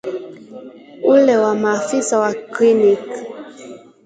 ule wa maafisa wa kliniki